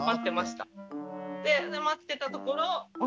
で待ってたところ保